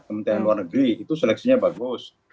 kementerian luar negeri itu seleksinya bagus